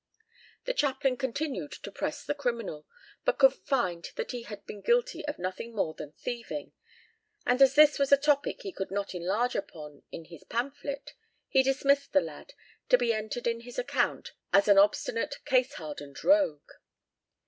The chaplain continued to press the criminal, but could find that he had been guilty of nothing more than thieving, and as this was a topic he could not enlarge upon in his pamphlet, he dismissed the lad, to be entered in his account as an obstinate, case hardened rogue.